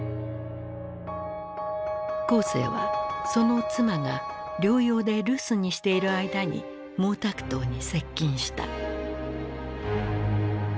江青はその妻が療養で留守にしている間に毛沢東に接近した。